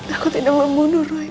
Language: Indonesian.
aku tidak mau bunuh roy